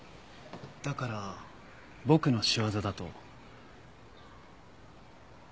だから僕の仕業だと？